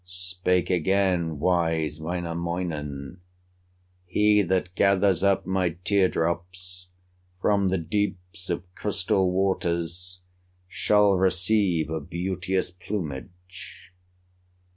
Spake again wise Wainamoinen: "He that gathers up my tear drops From the deeps of crystal waters Shall receive a beauteous plumage."